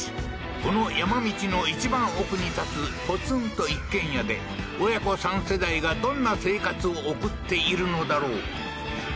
この山道の一番奥に建つポツンと一軒家で親子三世代がどんな生活を送っているのだろう？